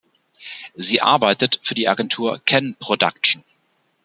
Sie arbeitet für die Agentur Ken Production.